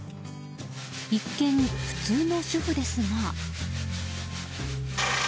一見普通の主婦ですが。